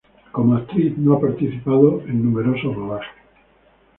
Como actriz no ha participado en numerosos rodajes.